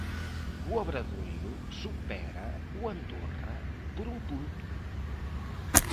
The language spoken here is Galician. O Obradoiro supera o Andorra por un punto.